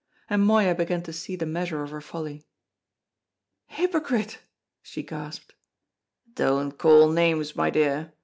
And Moya began to see the measure of her folly. "Hypocrite!" she gasped. "Don't call names, my dear.